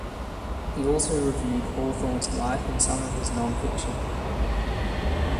He also reviewed Hawthorne's life and some of his nonfiction.